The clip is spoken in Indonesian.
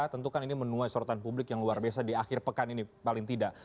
tentu kan ini menuai sorotan publik yang luar biasa di akhir pekan ini paling tidak